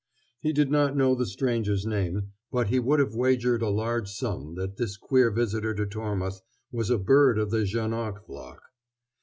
He did not know the stranger's name, but he would have wagered a large sum that this queer visitor to Tormouth was a bird of the Janoc flock.